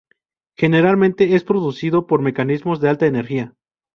Generalmente es producido por mecanismo de alta energía.